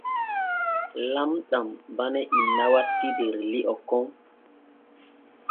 Lamɗam bane inna watti der li’o kon.